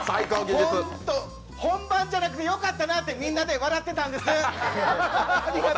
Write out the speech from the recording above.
本番じゃなくてよかったなと、みんなで言ってたんです。